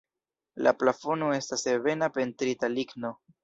La plafono estas ebena pentrita ligno.